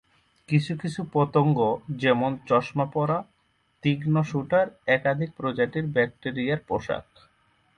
কিছু কিছু পতঙ্গ, যেমন চশমা-পরা তীক্ষ্ন শুটার, একাধিক প্রজাতির ব্যাকটেরিয়ার পোষক।